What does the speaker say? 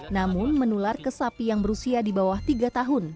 namun menular ke sapi yang berusia di bawah tiga tahun